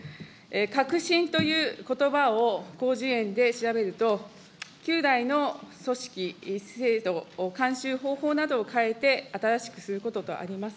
革新ということばを広辞苑で調べると、旧来の組織、制度、慣習、方法などを変えて新しくすることとあります。